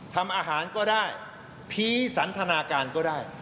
ทำอาหารก็ได้ผีสันทนาการก็ได้